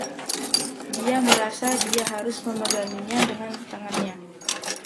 Dia merasa dia harus memeganginya dengan tangannya.